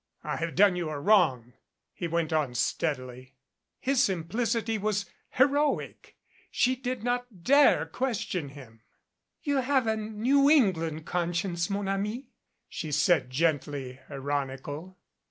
"I have done you a wrong," he went on steadily. His simplicity was heroic. She did not dare question him. "You have a New England conscience, mon ami" she said, gently ironical.